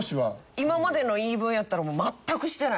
今までの言い分やったら全くしてない。